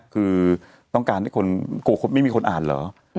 คือต้องการให้ให้คนโกขย์นี้ไม่มีคนอ่านเหรอ